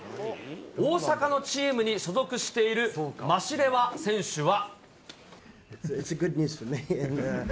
大阪のチームに所属しているマシレワ選手は。